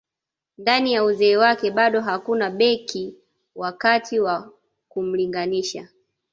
Ndani ya uzee wake bado hakuna beki wa kati wa kumlinganisha